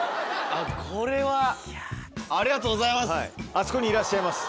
これはありがとうございます。